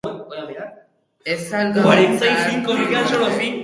Ez al gabiltza aspaldi bataren eta bestearen gaineko nagusitza eskuratu guran?